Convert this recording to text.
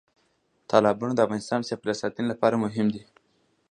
تالابونه د افغانستان د چاپیریال ساتنې لپاره مهم دي.